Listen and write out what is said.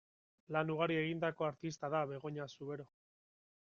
Lan ugari egindako artista da Begoña Zubero.